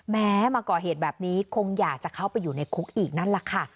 แม้มาก่อเหตุแบบนี้คงอยากจะเข้าไปอยู่ในคุกอีกนั่นแหละค่ะ